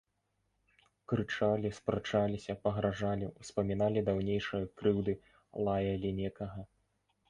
Крычалі, спрачаліся, пагражалі, успаміналі даўнейшыя крыўды, лаялі некага.